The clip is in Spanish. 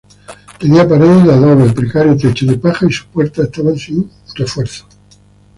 Tenía paredes de adobe, precario techo de paja, y sus puertas estaban sin refuerzo.